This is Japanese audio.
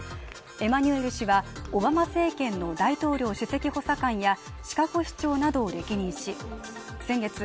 エマニュエル氏はオバマ政権の大統領首席補佐官やシカゴ市長などを歴任し先月